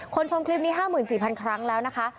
ชมคลิปนี้๕๔๐๐ครั้งแล้วนะคะ